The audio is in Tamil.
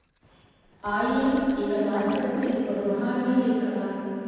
ஆயினும் இவர் வாஸ்தவத்தில் ஒரு மஹானாயிருக்கலாம்!